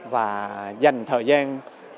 và dành thời gian